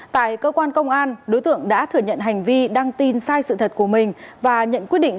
tại cơ quan công an đối tượng đã thừa nhận hành vi đăng tin sai sự thật của mình và nhận quyết định